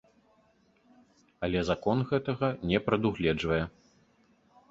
Але закон гэтага не прадугледжвае.